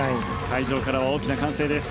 会場からは大きな歓声です。